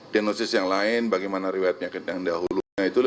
dendosis yang lain bagaimana riwayat penyakit yang dahulu